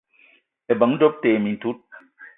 Ebeng doöb te mintout.